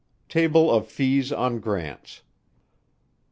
TABLE OF FEES ON GRANTS.